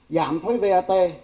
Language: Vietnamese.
giảm thuế vat